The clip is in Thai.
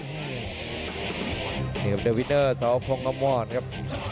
นี่ครับเดอร์วินเตอร์สาวพงศ์ลำวอนครับ